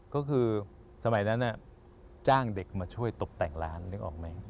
ก็คือสมัยนั้นจ้างเด็กมาช่วยตกแต่งร้านนึกออกไหม